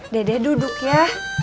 dede duduk ya